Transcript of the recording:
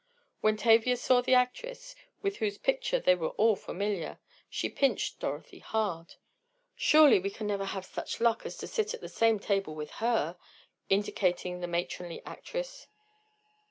When Tavia saw the actress, with whose picture they were all very familiar, she pinched Dorothy hard. "Surely we never can have such luck as to sit at the same tea table with her," indicating the matronly actress.